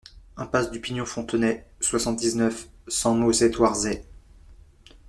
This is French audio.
Impasse du Pignon -Fontenay, soixante-dix-neuf, cent Mauzé-Thouarsais